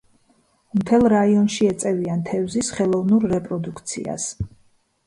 მთელ რაიონში ეწევიან თევზის ხელოვნურ რეპროდუქციას.